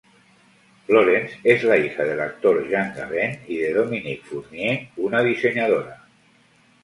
Florence es la hija del actor Jean Gabin y de Dominique Fournier, una diseñadora.